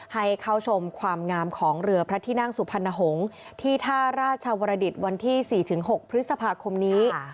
ให้เข้าชมความงามของเรือพระที่นั่งสุพรรณหงษ์ที่ท่าราชวรดิตวันที่๔๖พฤษภาคมนี้